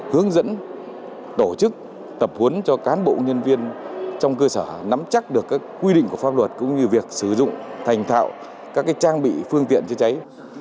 hướng dẫn tổ chức tập huấn cho cán bộ nhân viên trong cơ sở nắm chắc được các quy định của pháp luật cũng như việc sử dụng thành thạo các trang bị phương tiện chữa cháy